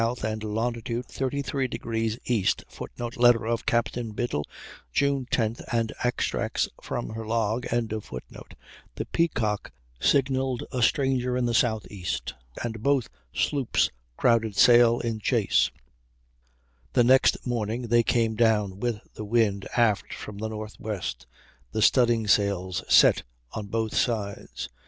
and long. 33° E.,[Footnote: Letter of Captain Biddle, June 10th, and extracts from her log.] the Peacock signalled a stranger in the S.E., and both sloops crowded sail in chase. The next morning they came down with the wind aft from the northwest, the studding sails set on both sides.